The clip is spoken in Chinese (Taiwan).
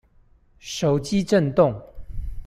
手機震動